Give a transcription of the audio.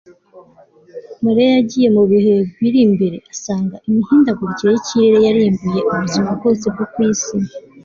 Mariya yagiye mu bihe biri imbere asanga imihindagurikire yikirere yarimbuye ubuzima bwose bwo ku isi